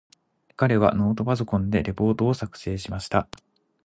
彼はノートパソコンでレポートを作成しました。